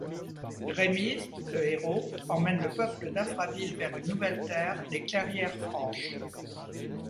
Rémiz, le héros, emmène le peuple d'Infraville vers une nouvelle terre, les Clairières franches.